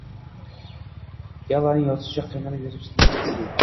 Ellaning yozishicha, qiynalib qolibsizlar, Jessi